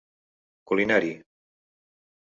Culinari: